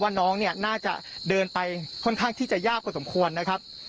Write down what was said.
น้องเนี่ยน่าจะเดินไปค่อนข้างที่จะยากพอสมควรนะครับ